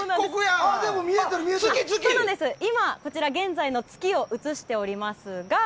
今、現在の月を映しておりますが。